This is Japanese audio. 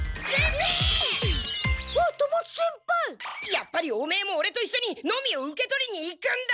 やっぱりオメエもオレといっしょにノミを受け取りに行くんだ！